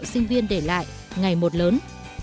sinh viên để lại ngày một lớn